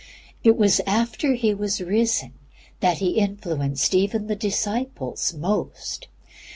It was after He was risen that He influenced even the disciples most.